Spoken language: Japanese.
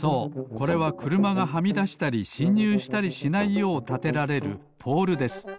これはくるまがはみだしたりしんにゅうしたりしないようたてられるポールです。